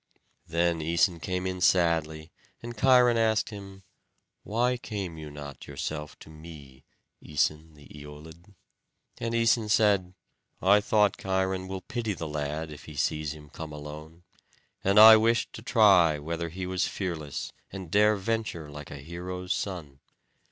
Then Æson came in sadly, and Cheiron asked him, "Why came you not yourself to me, Æson the Æolid?" And Æson said: "I thought, Cheiron will pity the lad if he sees him come alone; and I wished to try whether he was fearless, and dare venture like a hero's son.